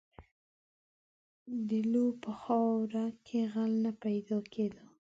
• د لو په خاوره کې غل نه پیدا کېده.